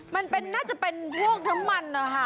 มันน่าจะเป็นพวกน้ำมันนะคะ